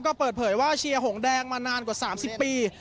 ก็เปิดเผยว่าเชียร์หงแดงมานานกว่า๓๐ปี